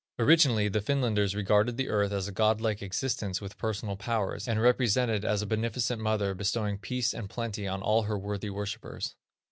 Originally the Finlanders regarded the earth as a godlike existence with personal powers, and represented as a beneficent mother bestowing peace and plenty on all her worthy worshipers.